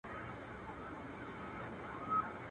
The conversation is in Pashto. یو د بل به یې سرونه غوڅوله.